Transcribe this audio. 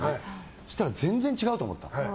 そしたら、全然違うと思ったの。